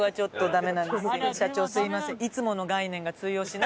社長すみません。